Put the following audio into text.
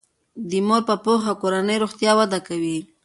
د مور په پوهه کورنی روغتیا وده کوي.